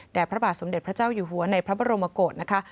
พระบาทสมเด็จพระเจ้าอยู่หัวในพระบรมกฏนะคะ